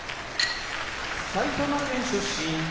埼玉県出身